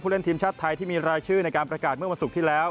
เล่นทีมชาติไทยที่มีรายชื่อในการประกาศเมื่อวันศุกร์ที่แล้ว